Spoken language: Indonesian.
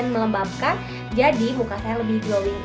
membabkan jadi muka saya lebih glowing